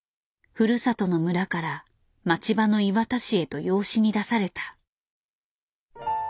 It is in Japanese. ふるさとの村から町場の磐田市へと養子に出された。